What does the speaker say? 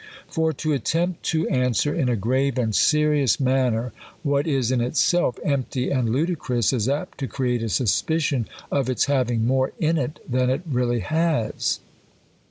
For, to attempt to an swer, in a grave and serious manner, what is in itself empty and ludicrous, is apt to create a suspicion of its having more in it than it really has.